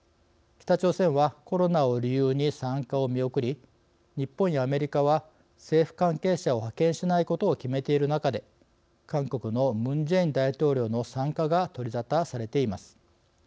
北朝鮮はコロナを理由に参加を見送り日本やアメリカは政府関係者を派遣しないことを決めている中で韓国のムン・ジェイン大統領の参加が取り沙汰されています。